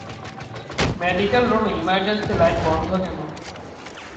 Medical রুমে emergency line বন্ধ কেন?